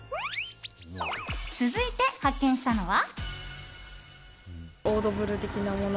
続いて発見したのは。